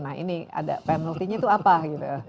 nah ini ada penalty nya itu apa gitu